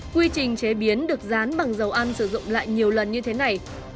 quy trình chế biến được dán bằng dầu ăn sử dụng lại nhiều lần như thế này